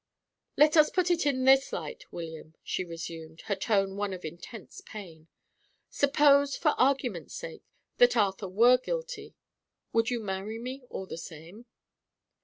"Let us put it in this light, William," she resumed, her tone one of intense pain. "Suppose, for argument's sake, that Arthur were guilty; would you marry me, all the same?"